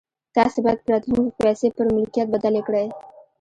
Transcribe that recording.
تاسې بايد په راتلونکي کې پيسې پر ملکيت بدلې کړئ.